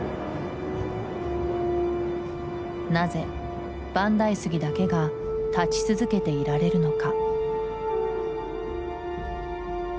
なぜ万代杉だけが立ち続けていられるのか？